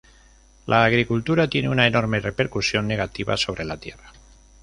La agricultura tiene una enorme repercusión negativa sobre la Tierra.